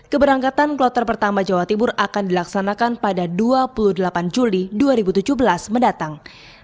keberangkatan kloter pertama jawa timur akan dilaksanakan pada dua puluh delapan juli dua ribu tujuh belas mendatang